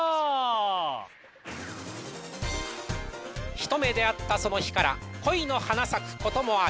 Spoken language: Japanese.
ひと目出会ったその日から恋の花咲くこともある。